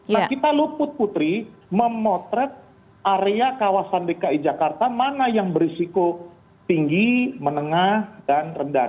nah kita luput putri memotret area kawasan dki jakarta mana yang berisiko tinggi menengah dan rendah